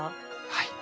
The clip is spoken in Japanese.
はい。